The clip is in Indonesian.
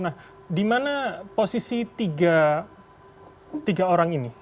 nah di mana posisi tiga orang ini